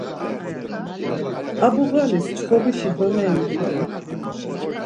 Abu ğalis çxomişi doneri ikoman.